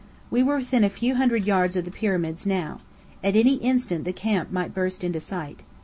We were within a few hundred yards of the Pyramids now. At any instant the camp might burst into sight.